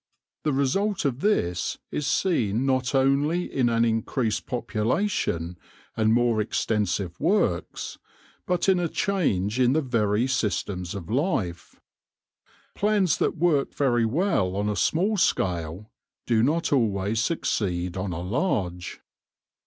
The result of this is seen not only in an increased popu lation and more extensive works, but in a change in the very systems of life. Plans that work very well on a small scale do not always succeed on a large.